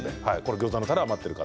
ギョーザのたれ、余っている方